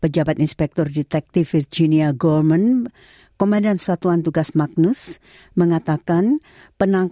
jepang jepang jepang jepang